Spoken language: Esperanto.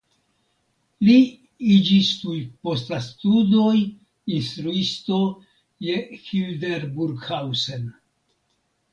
Li iĝis tuj post la studoj instruisto je Hildburghausen.